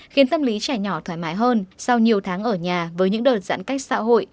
khiến tâm lý trẻ nhỏ thoải mái hơn sau nhiều tháng ở nhà với những đợt giãn cách xã hội